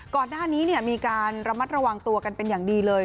ก่อนหน้านี้มีการระมัดระวังตัวกันเป็นอย่างดีเลย